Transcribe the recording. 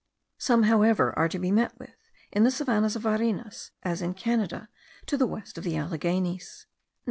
Some, however, are to be met with in the savannahs of Varinas, as in Canada, to the west of the Alleghenies.